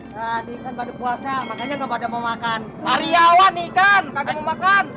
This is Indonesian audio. nah di ikan pada puasa makanya nggak pada mau makan sari awan ikan nggak mau makan